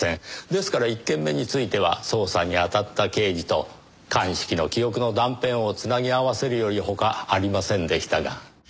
ですから１件目については捜査に当たった刑事と鑑識の記憶の断片を繋ぎ合わせるよりほかありませんでしたが。